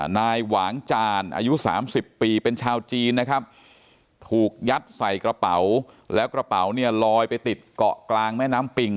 นายหวางจานอายุ๓๐ปีเป็นชาวจีนถูกยัดใส่กระเป๋าแล้วกระเป๋าลอยไปติดเกาะกลางแม่น้ำปิง